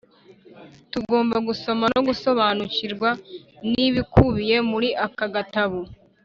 tugomba gusoma no gusobanukirwa n'ibikubiye muri aka gatabo,